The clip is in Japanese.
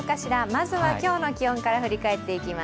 まずは今日の気温から振り返っていきます。